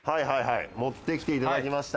持って来ていただきました。